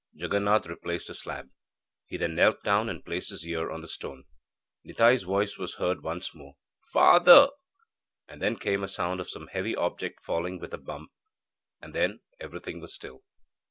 Jaganath replaced the slab. He then knelt down and placed his ear on the stone. Nitai's voice was heard once more 'Father' and then came a sound of some heavy object falling with a bump and then everything was still.